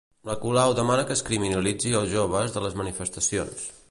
La Colau demana que es criminalitzi els joves de les manifestacions.